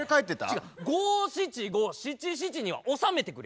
五七五七七には収めてくれよ。